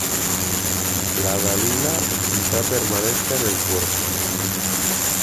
" la Dalila " quizá permanezca en el puerto: